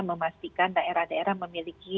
memastikan daerah daerah memiliki